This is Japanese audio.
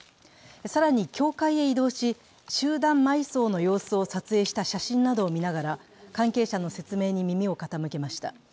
更に教会へ移動し、集団埋葬の様子を撮影した写真などを見ながら関係者の説明に耳を傾けました。